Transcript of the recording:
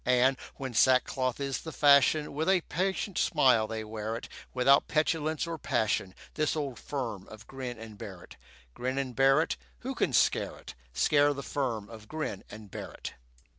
And, when sackcloth is the fashion, With a patient smile they wear it, Without petulance or passion, This old firm of Grin and Barrett. Grin and Barrett, Who can scare it? Scare the firm of Grin and Barrett?